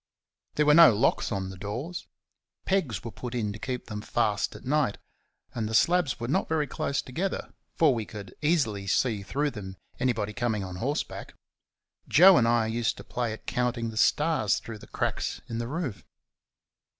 There were no locks on the doors: pegs were put in to keep them fast at night; and the slabs were not very close together, for we could easily see through them anybody coming on horseback. Joe and I used to play at counting the stars through the cracks in the roof.